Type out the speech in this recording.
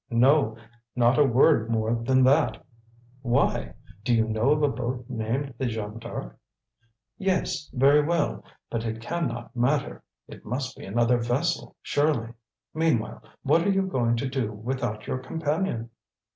"No, not a word more than that. Why? Do you know of a boat named the Jeanne D'Arc?" "Yes, very well; but it can not matter. It must be another vessel, surely. Meanwhile, what are you going to do without your companion?"